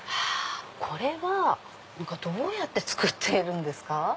これはどうやって作っているんですか？